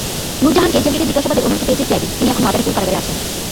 নুরজাহানকে জেলগেটে জিজ্ঞাসাবাদের অনুমতি পেয়েছে সিআইডি, তিনি এখন মাদারীপুর কারাগারে আছেন।